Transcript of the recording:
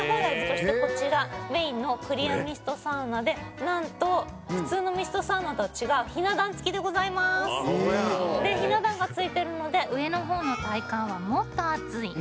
「そしてこちらメインのクリアミストサウナでなんと普通のミストサウナとは違うひな壇付きでございます」「ひな壇が付いてるので上の方の体感はもっと熱い」